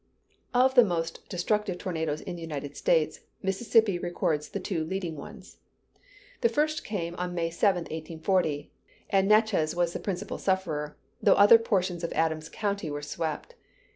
Of the most destructive tornadoes in the United States, Mississippi records the two leading ones. The first came on May 7, 1840, and Natchez was the principal sufferer, though other portions of Adams county were swept.